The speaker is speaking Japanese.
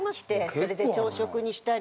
それで朝食にしたり。